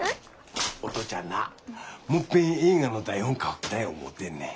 お父ちゃんなもっぺん映画の台本書きたい思うてんねん。